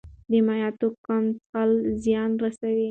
د مایعاتو کم څښل زیان رسوي.